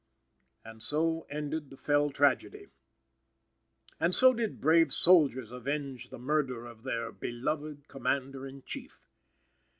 And so ended the fell tragedy. And so did brave soldiers avenge the murder of their "beloved Commander in Chief."